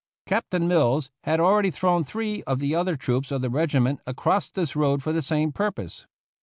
Captain Mills had already thrown three of the other troops of the regiment across this road for the same purpose.